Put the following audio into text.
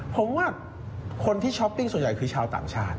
ผมว่าคนที่ช้อปปิ้งส่วนใหญ่คือชาวต่างชาติ